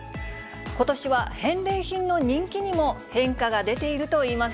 ことしは返礼品の人気にも変化が出ているといいます。